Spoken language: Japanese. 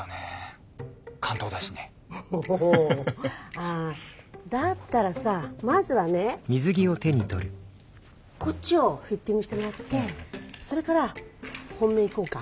ああだったらさまずはねこっちをフィッティングしてもらってそれから本命いこうか。